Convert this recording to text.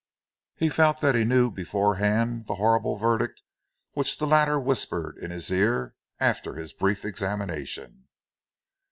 He felt that he knew beforehand the horrible verdict which the latter whispered in his ear after his brief examination.